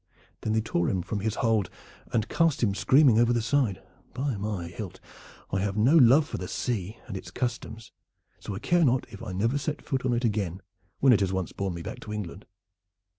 Then they tore him from his hold and cast him screaming over the side. By my hilt! I have no love for the sea and its customs, so I care not if I never set foot on it again when it has once borne me back to England."